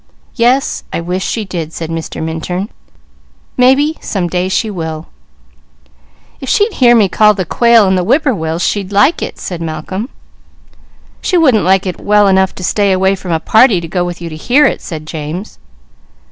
"Yes, I wish she did," said Mr. Minturn. "Maybe she will." "If she'd hear me call the quail and the whip poor will, she'd like it," said Malcolm. "She wouldn't like it well enough to stay away from a party to go with you to hear it," said James.